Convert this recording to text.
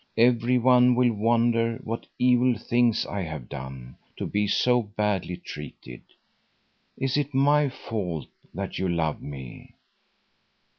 Every one will wonder what evil thing I have done, to be so badly treated. Is it my fault that you love me?"